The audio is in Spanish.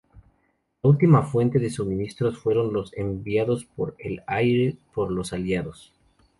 La última fuente de suministros fueron los enviados por el aire por los Aliados.